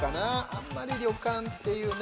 あんまり旅館っていうね。